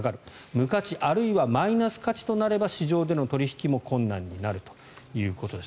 無価値あるいはマイナス価値となれば市場での取引も困難になるということです。